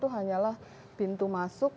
hanyalah pintu masuk